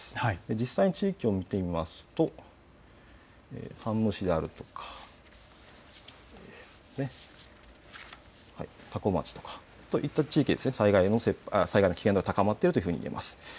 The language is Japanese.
実際の地域を見てみますと山武市であるとか多古町とかそういった地域で災害の危険度が高まっているといえます。